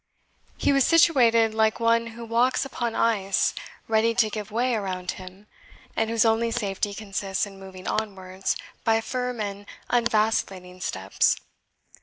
He was situated like one who walks upon ice ready to give way around him, and whose only safety consists in moving onwards, by firm and unvacillating steps.